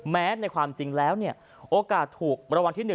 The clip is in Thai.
ในความจริงแล้วโอกาสถูกรางวัลที่๑